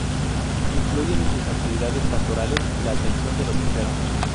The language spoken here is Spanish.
Incluyen en sus actividades pastorales la atención de los enfermos.